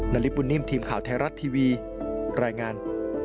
นาริปุ่นนิ่มทีมข่าวไทยรัฐทีวีรายงาน